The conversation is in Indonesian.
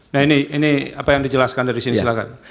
nah ini apa yang dijelaskan dari sini silahkan